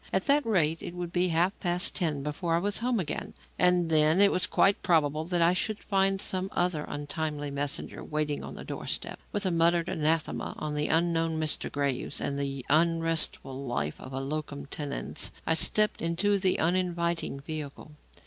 At that rate it would be half past ten before I was home again, and then it was quite probable that I should find some other untimely messenger waiting on the doorstep. With a muttered anathema on the unknown Mr. Graves and the unrestful life of a locum tenens, I stepped into the uninviting vehicle.